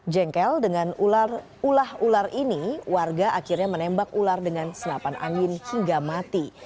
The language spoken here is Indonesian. jengkel dengan ulah ular ini warga akhirnya menembak ular dengan senapan angin hingga mati